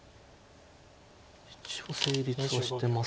一応成立はしてます。